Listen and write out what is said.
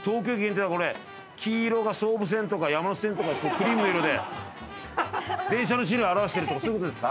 黄色が総武線とか山手線とかクリームの色で電車の種類を表してるとかそういうことですか？